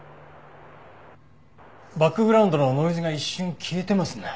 バックグラウンドのノイズが一瞬消えてますね。